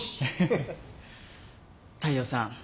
大陽さん